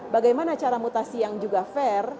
bagaimana cara mutasi yang juga fair